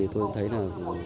tôi thấy là